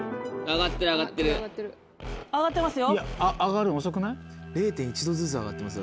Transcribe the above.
上がってます